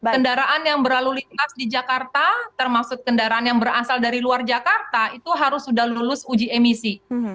kendaraan yang berlalu lintas di jakarta termasuk kendaraan yang berasal dari luar jakarta itu harus sudah lulus uji emisi